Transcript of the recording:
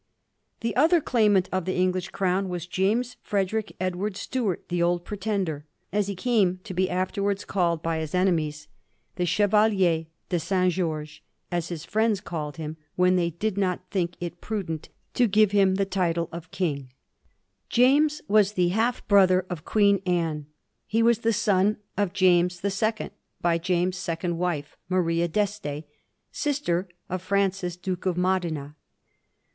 The other claimant of the English crown was James Frederick Edward Stuart, the Old Pretender, as he came to be afterwards called by his enemies^ Digiti zed by Google 12 A HISTORY OF THE FOUR GEORGES. ch. i. the Chevalier de Saint George, as his friends called him, when they did not think it prudent to give him the title of king. James was the step brother of 1*^ ' Queen Anne. He was the son of James the Second, by James's second wife, Maria D'Este, sister to Francis, Duke of Modena.